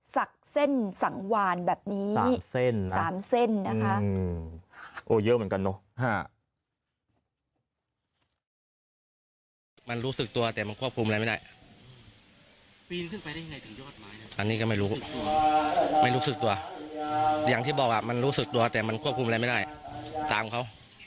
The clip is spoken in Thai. ศักดิ์เส้นสั่งหวานแบบนี้๓เส้นนะคะ